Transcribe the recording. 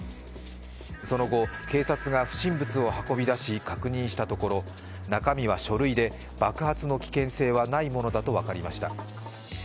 その後、警察が不審物を運び出し確認したところ中身は書類で、爆発の危険性はないものだと分かりました。